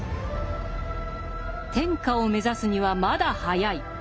天下を目指すにはまだ早い。